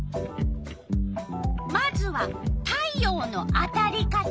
まずは「太陽のあたり方」。